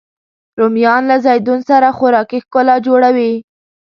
رومیان له زیتون سره خوراکي ښکلا جوړوي